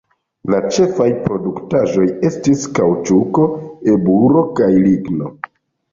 La ĉefaj produktaĵoj estis kaŭĉuko, eburo kaj ligno.